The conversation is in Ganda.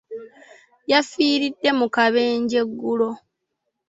Yafiiridde mu kabenje eggulo.